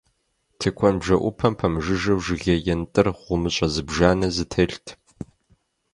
Тыкуэн бжэӀупэм пэмыжыжьэу жыгей ентӀыр гъумыщӀэ зыбжанэ зэтелът.